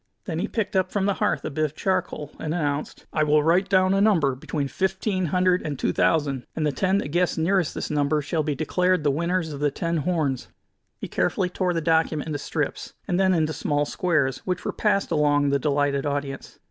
Then he picked up from the hearth a bit of charcoal, and announced: "I will write down a number between fifteen hundred and two thousand, and the ten that guess nearest this number shall be declared the winners of the ten horns." He carefully tore the document into strips, and then into small squares, which were passed along the delighted audience.